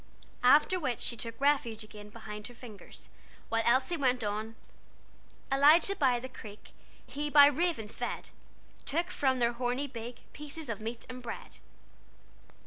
After which she took refuge again behind her fingers, while Elsie went on "Elijah by the creek, He by ravens fed, Took from their horny beak Pieces of meat and bread."